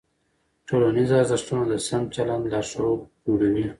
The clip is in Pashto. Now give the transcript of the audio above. ټولنیز ارزښتونه د سم چلند لارښود جوړوي.